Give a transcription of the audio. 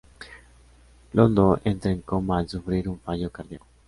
Londo entra en coma al sufrir un fallo cardiaco.